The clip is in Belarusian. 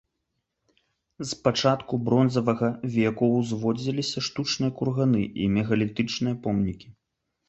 З пачатку бронзавага веку ўзводзіліся штучныя курганы і мегалітычныя помнікі.